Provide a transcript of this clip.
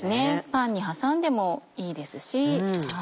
パンに挟んでもいいですし。